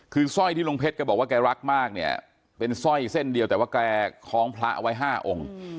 คือสร้อยที่ลุงเพชรแกบอกว่าแกรักมากเนี่ยเป็นสร้อยเส้นเดียวแต่ว่าแกคล้องพระเอาไว้๕องค์